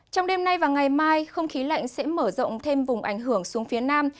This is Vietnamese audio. trong đêm nay và ngày mai không khí lạnh sẽ mở rộng thêm vùng ảnh hưởng xuống phía nam